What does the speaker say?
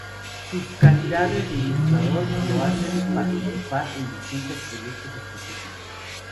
Sus calidades de ilustrador lo hacen participar en distintos proyectos específicos.